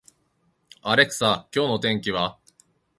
アレクサ、今日の天気は